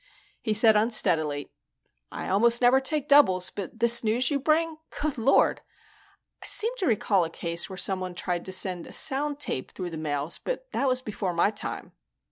He said unsteadily, "I almost never take doubles, but this news you bring Good Lord! I seem to recall a case where someone tried to send a sound tape through the mails, but that was before my time.